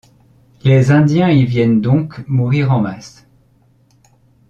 Les Indiens y viennent donc mourir en masse.